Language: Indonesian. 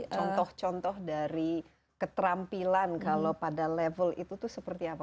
contoh contoh dari keterampilan kalau pada level itu tuh seperti apa